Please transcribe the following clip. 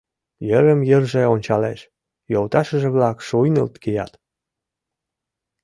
Йырым-йырже ончалеш: йолташыже-влак шуйнылт кият.